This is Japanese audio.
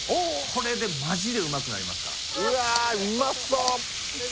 これでマジでうまくなりますからうわーうまっそう！